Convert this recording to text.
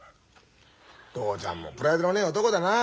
父ちゃんもプライドのねえ男だな。